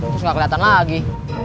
terus gak keliatan lagi